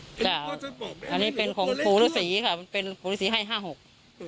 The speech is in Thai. ก็จะบอกอันนี้เป็นของครูฤษีค่ะมันเป็นครูฤษีให้ห้าหก